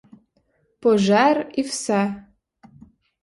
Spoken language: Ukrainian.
Пожер — і все.